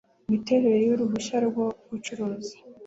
imiterere y uruhushya rwo gucuruza